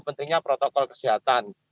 pentingnya protokol kesehatan